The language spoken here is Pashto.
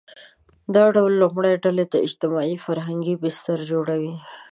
دا ډله لومړۍ ډلې ته اجتماعي – فرهنګي بستر جوړوي